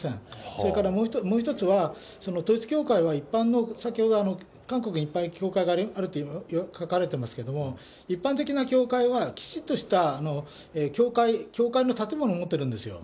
それからもう一つは、統一教会を一般の、先ほど韓国にいっぱい教会があるって書かれてますけど、一般的な教会はきちっとした教会の建物を持ってるんですよ。